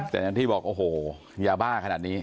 แต่ที่บอกโอ้โหอย่าบ้าขนาดนี้